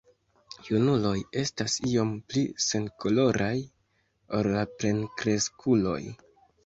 Junuloj estas iom pli senkoloraj ol la plenkreskuloj.